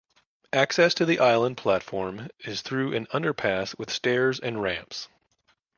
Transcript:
Access to the island platform is through an underpass with stairs and ramps.